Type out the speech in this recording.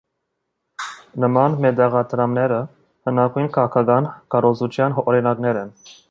Նման մետաղադրամները հնագույն քաղաքական քարոզչության օրինակներ են։